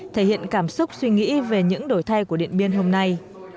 thể hiện cảm xúc suy nghĩ về những đổi thay của điện biên hôm nay